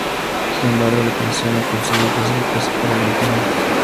Sin embargo, la canción no consiguió clasificarse para la gran final.